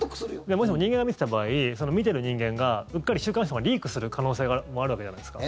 もしも人間が見ていた場合その見てる人間がうっかり週刊誌とかにリークする可能性もあるわけじゃないですか。